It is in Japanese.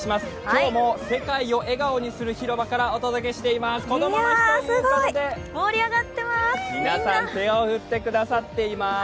今日も世界を笑顔にする広場からお届けしています。